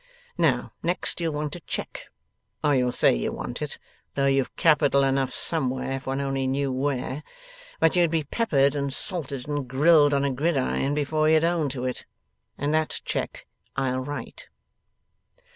Now, next you'll want a cheque or you'll say you want it, though you've capital enough somewhere, if one only knew where, but you'd be peppered and salted and grilled on a gridiron before you'd own to it and that cheque I'll write.